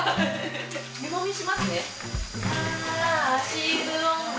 湯もみしますね。